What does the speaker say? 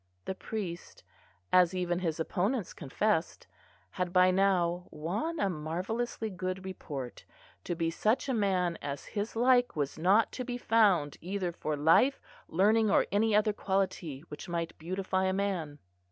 The priest, as even his opponents confessed, had by now "won a marvellously good report, to be such a man as his like was not to be found, either for life, learning, or any other quality which might beautify a man."